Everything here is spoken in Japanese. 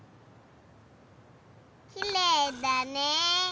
きれいだね。